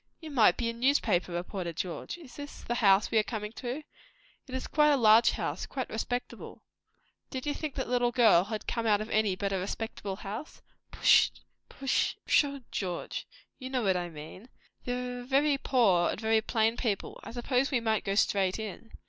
"You might be a newspaper reporter, George! Is this the house we are coming to? It is quite a large house; quite respectable." "Did you think that little girl had come out of any but a respectable house?" "Pshaw, George! you know what I mean. They are very poor and very plain people. I suppose we might go straight in?"